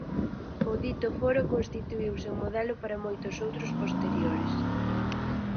O dito foro constituíse en modelo para moitos outros posteriores.